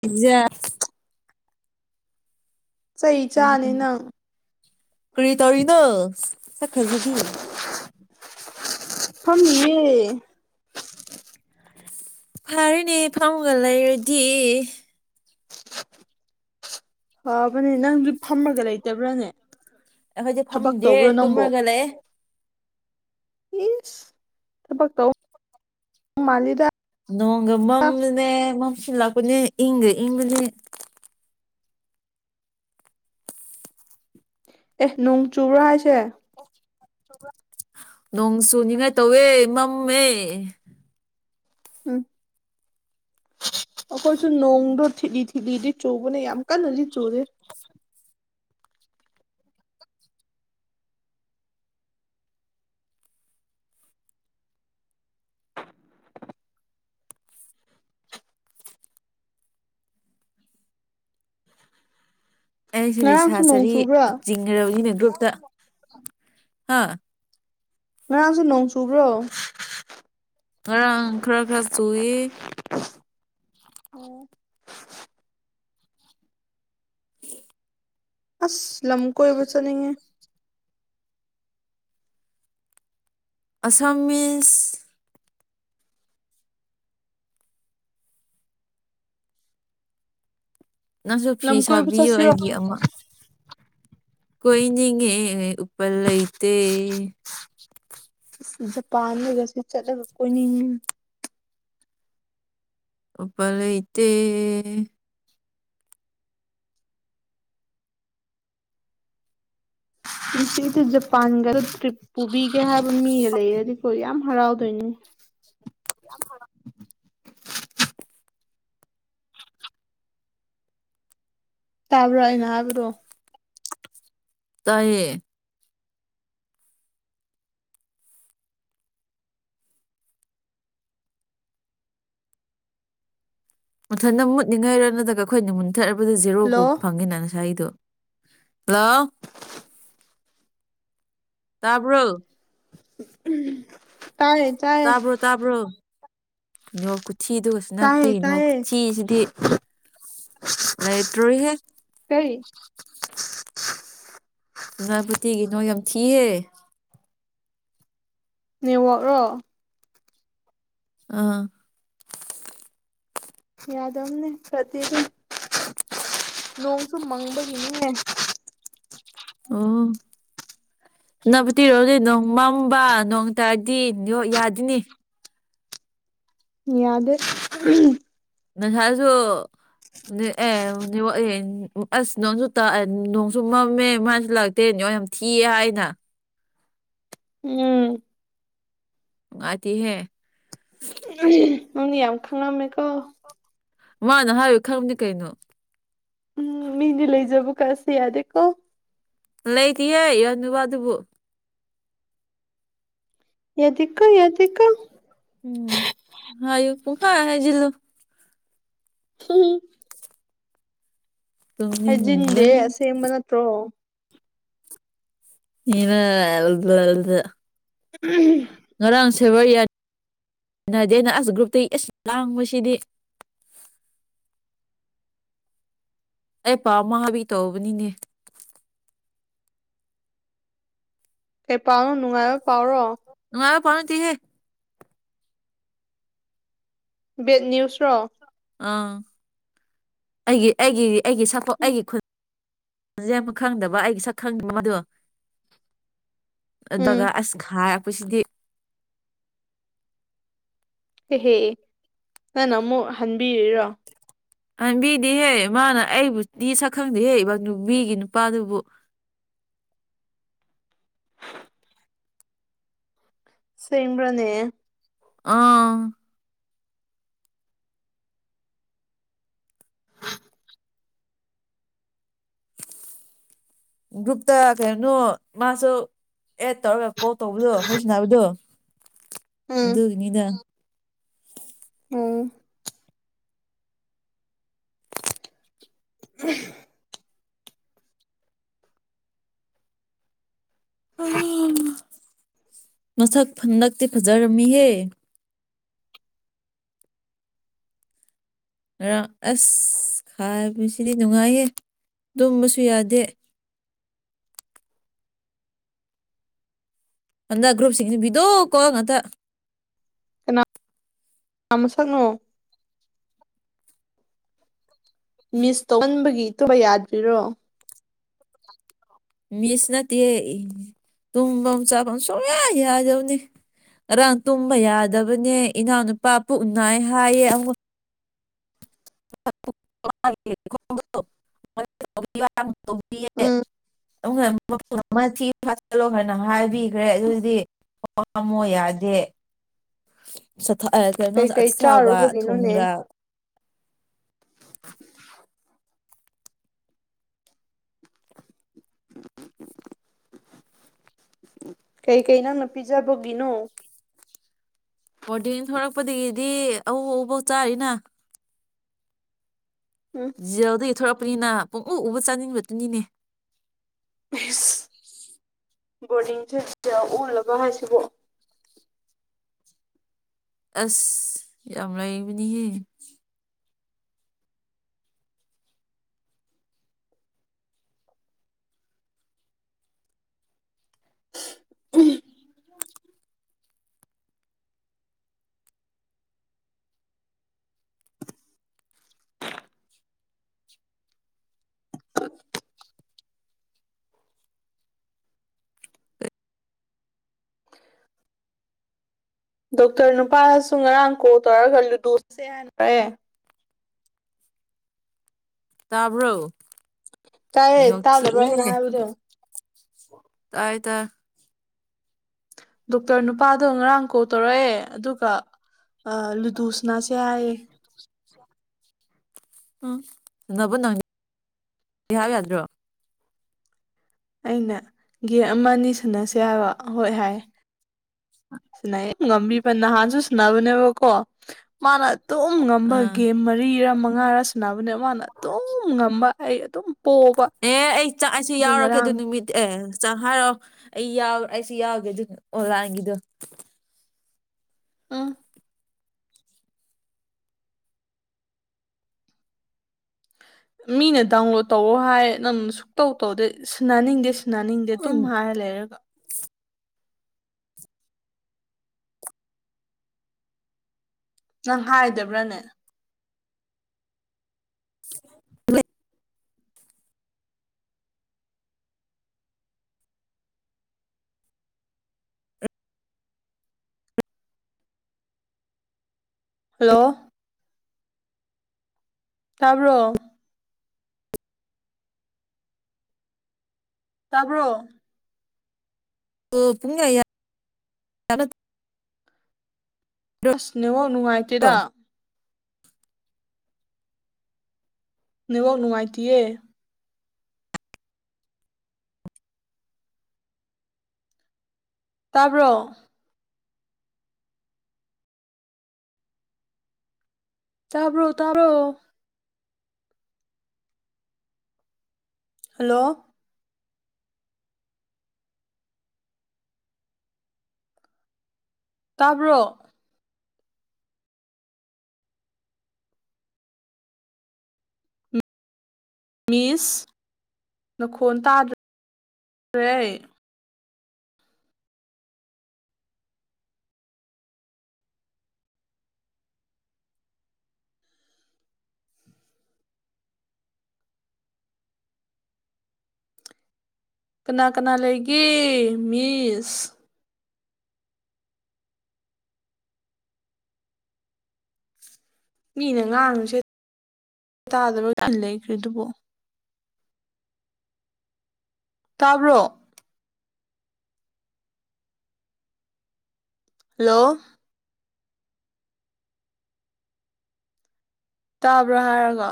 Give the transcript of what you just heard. ꯄꯤꯖꯌꯥ ꯆꯩ ꯀ ꯆꯥꯅꯤ ꯅꯪ ꯀꯔꯤ ꯇꯧꯔꯤꯅꯣ ꯁꯛꯈꯖꯕꯤ ꯐꯝꯃꯤꯌꯦ ꯐꯔꯦꯅꯦ ꯐꯝꯒ ꯂꯩꯔꯗꯤ ꯐꯕꯅꯦ ꯅꯪꯁꯨ ꯐꯝꯃꯒ ꯂꯩꯇꯕ꯭ꯔꯥꯅꯦ ꯑꯩꯈꯣꯏꯗꯤ ꯊꯕꯛ ꯐꯝꯗꯦ ꯇꯧꯕ꯭ꯔꯣ ꯅꯪꯕꯣ ꯇꯨꯝꯔꯒ ꯂꯩꯑꯦ ꯄ ꯊꯕꯛ ꯇꯧ ꯃꯥꯂꯤꯗ ꯅꯣꯡꯒ ꯃꯝꯂꯅꯦ ꯃꯝꯁꯤꯜꯂꯛꯄꯅꯦ ꯏꯪꯒ ꯏꯪꯕꯅꯦ ꯑꯦ ꯅꯣꯡ ꯆꯨꯕ꯭ꯔꯥ ꯍꯥꯏꯁꯦ ꯅꯣꯡ ꯆꯨ ꯅꯤꯡꯉꯥꯏ ꯇꯧꯋꯦ ꯃꯝꯃꯦ ꯎꯝ ꯑꯩꯈꯣꯏꯁꯨ ꯅꯣꯡꯗꯣ ꯊꯤꯗꯤ ꯊꯤꯂꯤꯗꯤ ꯆꯨꯕꯅ ꯌꯥꯝ ꯀꯟꯅꯗꯤ ꯆꯨꯔꯦ ꯑꯩꯁꯦ ꯁꯥ ꯉꯔꯥꯡꯁꯨ ꯅꯣꯡ ꯆꯔꯤ ꯆꯨꯕ꯭ꯔꯥ ꯆꯤꯡꯈ꯭ꯔꯔꯕꯒꯤꯅꯦ ꯒ꯭ꯔꯨꯞꯇ ꯍꯥ ꯉꯔꯥꯡꯁꯨ ꯅꯣꯡ ꯆꯨꯕ꯭ꯔꯣ ꯈꯔ ꯈꯔ ꯈꯔ ꯆꯨꯏ [unintelligible] ꯑꯁ ꯂꯝ ꯀꯣꯏꯕ ꯆꯅꯤꯡꯉꯦ ꯑꯁꯥꯝꯁ ꯅꯪꯁꯨ ꯐꯤ ꯂꯝ ꯀꯣꯏꯕ ꯁꯥꯕꯤꯌꯣ ꯆꯠꯁꯤꯔꯣ ꯑꯩꯒꯤ ꯑꯃ ꯀꯣꯏꯅꯤꯡꯉꯦ ꯎꯄꯜ ꯂꯩꯇꯦ [inaudible] ꯖꯄꯥꯟꯗꯒꯁꯨ ꯆꯠꯂꯒ ꯀꯣꯏꯅꯤꯡꯉ ꯎꯄꯥꯔ ꯏꯠꯇ ꯏꯁꯤꯗꯤ ꯖꯄꯥꯟꯒ ꯇ꯭ꯔꯤꯞ ꯄꯨꯕꯤꯒꯦ ꯍꯥꯏꯕ ꯃꯤꯒ ꯂꯩꯔꯗꯤꯀꯣ ꯌꯥꯝ ꯍꯔꯥꯎꯗꯣꯏꯅꯦ ꯌꯥ [inaudible] ꯇꯥꯕ꯭ꯔꯥ ꯑꯩꯅ ꯍꯥꯏꯕꯗꯣ ꯇꯥꯏꯌꯦ ꯃꯊꯟꯇ ꯃꯨꯠꯅꯤꯡꯉꯥꯏꯔꯣ ꯅꯠꯇ꯭ꯔꯒ ꯑꯩꯈꯣꯏꯅ ꯃꯨꯟꯊꯠꯔꯕꯗ ꯖꯦꯔꯣꯒꯨꯝꯕ ꯍꯜꯂꯣ ꯐꯪꯉꯦꯅ ꯉꯁꯥꯏꯗꯨ ꯍꯜꯂꯣ ꯇꯥꯕ꯭ꯔꯣ ꯎꯝ ꯇꯥꯏ ꯇꯥꯕ꯭ꯔꯣ ꯇꯥꯕ꯭ꯔꯣ ꯅꯦꯋꯥꯛ ꯈꯨꯊꯤꯗꯨꯒꯁꯨ ꯇꯥꯏꯌꯦ ꯇꯥꯏꯌꯦ ꯅꯕꯗꯤ [unintelligible] ꯂꯩꯥ ꯇꯣꯔꯤꯍꯦ ꯀꯔꯤ [unintelligible] ꯌꯥꯝ ꯊꯤꯍꯦ ꯅꯦꯋꯥꯛꯔꯣ ꯑꯥ ꯌꯥꯗꯕꯅꯦ ꯐꯠꯇꯦ ꯅꯣꯡꯁꯨ ꯃꯪꯕꯒꯤꯅꯤꯅꯦ ꯑꯣ ꯅꯕ [unintelligible] ꯅꯣꯡ ꯃꯝꯕ ꯅꯣꯡ ꯇꯥꯔꯗꯤ ꯅꯦꯌꯥꯛ ꯌꯥꯗꯤꯅꯤ ꯌꯥꯗꯦ ꯅꯁꯥꯁꯨ [unintelligible] ꯑꯁ ꯅꯪꯣꯟꯁꯨ ꯇꯥꯛꯑꯦ ꯅꯣꯡꯁꯨ ꯃꯝꯃꯦ ꯃꯥꯏꯁꯨ ꯂꯥꯛ ꯇꯦ ꯅꯦꯋꯥꯛ ꯌꯥꯝ ꯊꯤꯌꯦ ꯍꯥꯏꯅ ꯎꯝ ꯅꯨꯉꯥꯢꯇꯤꯍꯦ ꯅꯡꯗꯤ ꯌꯥꯝ ꯈꯪꯉꯝꯃꯦꯀꯣ ꯃꯥꯅ ꯍꯥꯏꯕꯩ ꯈꯪꯕꯅꯤ ꯀꯩꯅꯣ ꯎꯝ ꯃꯤꯗꯤ ꯂꯩꯖꯕ ꯀꯥꯢꯁꯤ ꯌꯥꯗꯦꯀꯣ ꯂꯩꯇꯤꯌꯦ [unintelligible] ꯑꯗꯨꯕꯨ ꯌꯥꯗꯦꯀꯣ ꯌꯥꯗꯦꯀꯣ ꯎꯝ ꯍꯥꯌꯨ ꯄꯨꯡꯍꯥꯢ ꯍꯥꯏꯖꯤꯜꯂꯨ ꯎꯝ ꯍꯥꯏꯖꯤꯟꯗꯦ ꯇꯨꯝꯅꯤꯡꯕꯅ ꯑꯁꯦꯡꯕ ꯅꯠꯇ꯭ꯔꯣ [unintelligible] [unintelligible] ꯉꯔꯥꯡ ꯁꯦꯕꯔ ꯌꯥꯅꯗꯦꯅ ꯑꯁ ꯒ꯭ꯔꯨꯞꯇꯒꯤ ꯑꯦꯁ ꯂꯥꯡꯕꯁꯤꯗꯤ ꯑꯩ ꯄꯥꯎ ꯑꯃ ꯇꯥꯢꯕꯤꯒꯦ ꯇꯧꯕꯅꯤꯅꯦ ꯀꯩ ꯄꯥꯎꯅꯣ ꯅꯨꯡꯉꯥꯏꯕ ꯄꯥꯎꯔꯣ ꯅꯨꯡꯉꯥꯏꯕ ꯄꯥꯎ ꯅꯇꯤꯍꯦ ꯕꯦꯠ ꯅꯤꯌꯨꯁꯔꯣ ꯑꯥ ꯑꯩꯒꯤ ꯑꯩꯒꯤ ꯑꯩꯒꯤ ꯁꯄꯣ ꯎꯝ ꯑꯩꯒꯤ ꯈꯨꯟ ꯖꯦ ꯑꯃ ꯈꯪꯗꯕ ꯑꯩꯒꯤ ꯁꯛ ꯈꯪꯗꯕ ꯃꯗꯣ ꯑꯗꯨꯒ ꯎꯝ ꯑꯁ ꯈꯥꯏ ꯑꯩꯈꯣꯏ ꯁꯤꯗꯤ ꯑꯦꯍꯦ ꯅꯪꯅ ꯑꯃꯨꯛ ꯍꯟꯕꯤꯔꯤꯔꯣ ꯕꯤꯗꯤ ꯍꯦꯛ ꯃꯥꯅ ꯑꯩꯕꯨꯗꯤ ꯁꯛꯈꯪꯗꯤꯌꯦ ꯍꯅꯨꯕꯤꯒꯤ ꯅꯨꯄꯥꯗꯨꯕꯨ ꯁꯦꯡꯕ꯭ꯔꯅꯦ ꯑꯥ ꯒ꯭ꯔꯨꯞꯇ ꯀꯩꯅꯣ ꯃꯥꯁꯨ ꯑꯦꯗ ꯇꯧꯔꯒ ꯀꯣꯜ ꯇꯧꯕꯗꯣ ꯋꯥꯔꯤ ꯁꯅꯥꯕꯗꯨ ꯎꯝ ꯗꯨꯒꯤꯅꯤꯗ ꯎꯝ [inaudible] ꯃꯁꯛ ꯍꯟꯗꯛꯇꯤ ꯐꯖꯔꯝꯃꯤꯍꯦ ꯉꯔꯥꯡ ꯑꯁ ꯈꯥꯏꯕꯁꯤꯗꯤ ꯅꯨꯡꯉꯥꯏꯌꯦ ꯇꯨꯝꯕꯁꯨ ꯌꯥꯗꯦ ꯑꯗ ꯒ꯭ꯔꯨꯞꯁꯤꯡꯁꯤ ꯕꯤꯗꯣ ꯀꯣꯟ ꯉꯥꯛꯇ ꯀꯅꯥ ꯃꯁꯛꯅꯣ ꯃꯤꯁ ꯇꯧꯃꯟꯕꯒꯤ ꯇꯨꯝꯕ ꯌꯥꯗ꯭ꯔꯤꯔꯣ ꯃꯤꯁ ꯅꯠꯇꯦ ꯇꯨꯝꯐꯝ ꯆꯥꯐꯝ ꯁꯨꯡꯌꯥ ꯌꯥꯗꯕꯅꯤ ꯉꯔꯥꯡ ꯇꯨꯝꯕ ꯌꯥꯗꯕꯅꯦ ꯏꯅꯥꯎꯅꯨꯄꯥ ꯄꯨꯅꯥꯏ ꯍꯥꯏꯌꯦ ꯑꯃꯨꯛ ꯎꯝ [unintelligible] ꯃꯨꯡ ꯑꯃ ꯊꯤ ꯐꯆꯜꯂꯣ ꯍꯥꯏꯅ ꯍꯥꯏꯕꯤꯈ꯭ꯔꯦ ꯑꯗꯨꯗꯤ꯫ ꯄꯝꯃꯣ ꯌꯥꯗꯦ꯫ ꯀꯣꯗ ꯀꯩꯀꯩ ꯑꯊꯥꯎꯒ ꯆꯥꯔꯨꯕꯒꯤꯅꯣꯅꯦ ꯊꯨꯝꯒ [inaudible] [inaudible] ꯀꯩꯀꯩ ꯅꯪꯅ ꯄꯤꯖꯕꯒꯤꯅꯣ꯫ ꯕꯣꯔꯗꯤꯡ ꯊꯣꯔꯛꯄꯗꯒꯤꯗꯤ ꯑꯎ ꯑꯎꯕꯥꯎ ꯆꯥꯔꯤꯅ ꯎꯝ ꯖꯤꯜꯗ ꯌꯊꯣꯔꯛꯄꯅꯤꯅ ꯄꯨꯡꯎ ꯎꯕ ꯆꯥꯅꯤꯡꯕꯗꯨꯅꯤꯅꯦ꯫ ꯕꯣꯔꯗꯤꯡꯁꯦ ꯁꯤ ꯑꯣꯜꯂꯒ ꯍꯥꯏꯁꯤꯕꯣ ꯑꯁ ꯌꯥꯝ ꯂꯥꯏꯕꯅꯤꯍꯦ꯫ [inaudible] ꯗꯣꯛꯇꯔ ꯅꯨꯄꯥꯁꯨ ꯉꯔꯥꯡ ꯀꯣꯜ ꯇꯧꯔꯒ ꯂꯨꯗꯨꯁꯦ ꯍꯥꯏꯟꯑꯦ꯫ ꯇꯥꯕ꯭ꯔꯣ꯫ ꯇꯥꯏꯌꯦ ꯇꯥꯗꯕ꯭ꯔꯣꯅ ꯌꯣꯊꯤꯑꯦ ꯍꯥꯏꯕꯗꯣ ꯇꯥꯏ ꯇ ꯗꯣꯛꯇꯔ ꯅꯨꯄꯥꯗꯣ ꯉꯔꯥꯡ ꯀꯣꯜ ꯇꯧꯔꯛꯑꯦ ꯑꯗꯨꯒ ꯂꯨꯗꯨꯁꯤꯅꯥꯁꯦ ꯍꯥꯏꯌꯦ꯫ ꯎꯝ ꯅꯕꯨ ꯅꯪ ꯍꯥꯏꯕ ꯌꯥꯗ꯭ꯔꯣ꯫ ꯑꯩꯅ ꯒꯦꯝ ꯑꯃ ꯑꯅꯤ ꯁꯟꯅꯁꯦ ꯍꯥꯏꯕ ꯍꯣꯏ ꯍꯥꯏ [inaudible] ꯁꯤꯟꯅꯩꯌꯦ ꯉꯝꯕꯤꯕ ꯅꯍꯥꯟꯁꯨ ꯁꯅꯕꯅꯦꯕꯀꯣ ꯃꯥꯅ ꯇꯣꯝ ꯉꯝꯕ ꯎꯝ ꯒꯦꯝ ꯃꯔꯤꯔ ꯃꯉꯥꯔ ꯁꯅꯕꯅꯦ ꯃꯥꯅ ꯑꯗꯨꯝ ꯉꯝꯕ ꯑꯩ ꯑꯗꯨꯝ ꯄꯣꯕ ꯑꯦ ꯑꯩ ꯆꯥꯛꯏꯁꯤ ꯌꯥꯎꯔꯒꯦ ꯑꯗꯨ ꯅꯨꯃꯤꯠ ꯑꯦ ꯆꯪ ꯍꯥꯏꯔꯛꯑꯣ ꯑꯩ ꯑꯩꯁꯨ ꯌꯥꯎꯒꯦ ꯑꯗꯨ ꯑꯣꯟꯂꯥꯏꯟꯒꯤꯗꯣ ꯎꯝ ꯃꯤꯅ ꯗꯥꯎꯟꯂꯣꯗ ꯇꯧꯑꯣ ꯍꯥꯏ ꯅꯪ ꯁꯨꯛꯇꯧ ꯇꯧꯗꯦ ꯁꯟꯅꯅꯤꯡꯗꯦ꯫ ꯁꯥꯅꯥꯅꯤꯡꯗꯦ ꯑꯗꯨꯝ ꯎꯝ ꯍꯥꯏꯔ ꯂꯩꯔꯒ ꯅꯪ ꯍꯥꯏꯗꯕ꯭ꯔꯥꯅꯦ꯫ [inaudible] ꯍꯜꯂꯣ ꯇꯥꯕ꯭ꯔꯣ ꯇꯥꯕ꯭ꯔꯣ ꯑꯣ ꯄꯨꯨꯡꯉ ꯌꯥ ꯌꯥ ꯑꯁꯅꯦꯋꯥꯀ ꯅꯨꯡꯉꯥꯏꯇꯦꯗ ꯅꯦꯠꯋꯛ ꯅꯨꯡꯉꯥꯏꯇꯌꯦ꯫ ꯇꯥꯕ꯭ꯔꯣ ꯇꯕ꯭ꯔꯣ ꯇꯥꯔꯣ ꯍꯜꯂꯣ ꯇꯥꯕ꯭ꯔꯣ꯫ ꯃꯤꯁ ꯅꯈꯣꯟ ꯇꯥꯗ꯭ꯔ꯭ꯔꯦ꯫ ꯀꯅꯥ ꯀꯅꯥ ꯂꯩꯒꯦ ꯃꯤꯁ꯫ ꯃꯤꯅ ꯉꯥꯡꯉꯨꯁꯦ ꯇꯥꯗ ꯂꯣꯏꯟ ꯂꯩꯈ꯭ꯔꯦ ꯑꯗꯨꯕꯨꯣ꯫ ꯇꯥꯕ꯭ꯔꯣ ꯍꯜꯂꯣ ꯇꯥꯕ꯭ꯔꯥ ꯍꯥꯏꯔꯒ